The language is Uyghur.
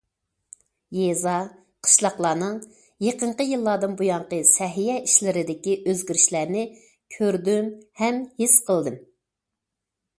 يېزا، قىشلاقلارنىڭ يېقىنقى يىللاردىن بۇيانقى سەھىيە ئىشلىرىدىكى ئۆزگىرىشلەرنى كۆردۈم ھەم ھېس قىلدىم.